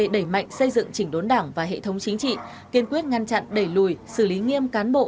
đẩy mạnh xây dựng chỉnh đốn đảng và hệ thống chính trị kiên quyết ngăn chặn đẩy lùi xử lý nghiêm cán bộ